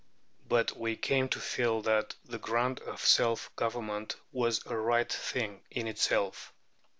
But we came to feel that the grant of self government was a right thing in itself.